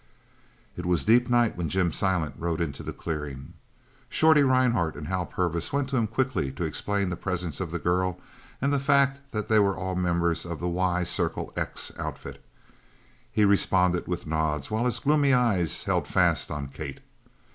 It was deep night when Jim Silent rode into the clearing. Shorty Rhinehart and Hal Purvis went to him quickly to explain the presence of the girl and the fact that they were all members of the Y Circle X outfit. He responded with nods while his gloomy eyes held fast on Kate.